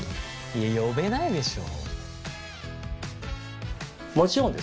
いや呼べないでしょ。